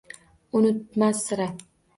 Unutmas sira.